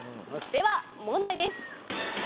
では、問題です。